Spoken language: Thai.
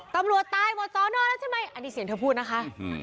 ตำรวจตายหมดสอนอแล้วใช่ไหมอันนี้เสียงเธอพูดนะคะ